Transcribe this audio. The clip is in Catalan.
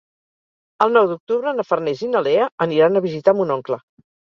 El nou d'octubre na Farners i na Lea aniran a visitar mon oncle.